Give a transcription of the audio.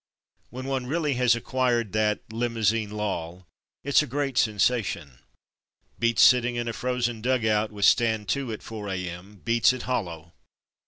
When one really has acquired that ''Limousine loll/' it's a great sensation. Beats sitting in a frozen dugout, with "stand to'' at 4 A.M.; beats it hollow.